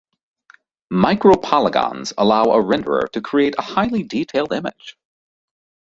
Micropolygons allow a renderer to create a highly detailed image.